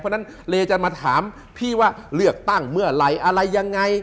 เพราะฉะนั้นเลจะมาถามพี่ว่าเลือกตั้งเมื่อไหร่อะไรยังไง